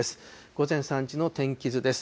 午前３時の天気図です。